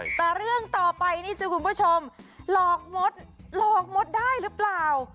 แต่เรื่องต่อไปนี่สิคุณผู้ชมหลอกมดหลอกมดได้หรือเปล่า